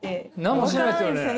何もしてないですよね？